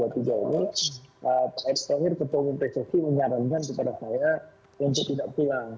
pak edsonir ketua universitas indonesia menyarankan kepada saya untuk tidak pulang